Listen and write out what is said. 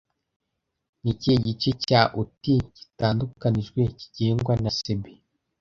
Ni ikihe gice cya UTI gitandukanijwe kigengwa na SEBI